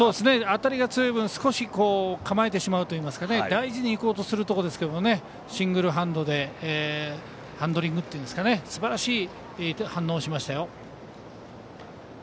当たりが強い分少し構えてしまうというか大事にいこうとするところですがシングルハンドでハンドリングというんですかすばらしい反応をしましたよ。